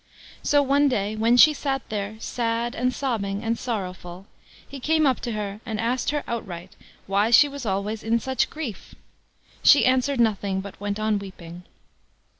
So one day when she sat there, sad, and sobbing, and sorrowful, he came up to her and asked her outright why she was always in such grief. She answered nothing, but went on weeping.